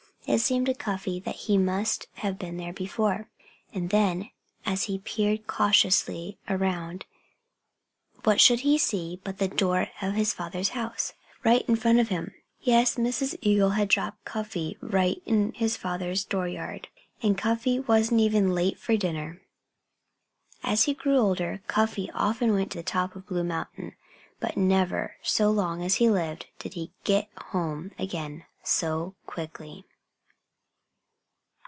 It seemed to Cuffy that he must have been there before. And then, as he peered cautiously around, what should he see but the door of his father's house, right in front of him! Yes! Mrs. Eagle had dropped Cuffy right in his father's door yard! And Cuffy wasn't even late for dinner. As he grew older Cuffy often went to the top of Blue Mountain. But never, so long as he lived, did he get home again so quickly.